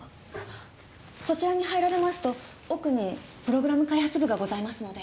そちらに入られますと奥にプログラム開発部がございますので。